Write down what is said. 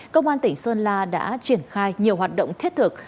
công an tỉnh sơn la đã triển khai nhiều hoạt động thiết thực